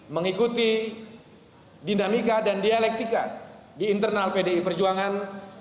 mengikuti dinamika dan dialektika di internal pdi perjuangan